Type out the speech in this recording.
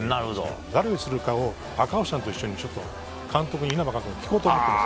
誰にするかを赤星さんと一緒に稲葉監督に聞こうと思っています。